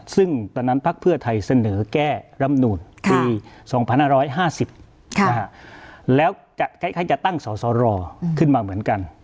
ซึ่งตอนนั้นพักเพื่อไทยเสนอแก้รำนูนปี๒๕๕๐แล้วคล้ายจะตั้งสอสรขึ้นมาเหมือนกัน